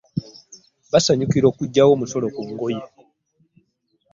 Basanyukira okugyawo omusolo ku ngoye.